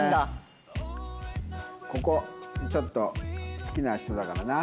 ここちょっと好きな人だからな。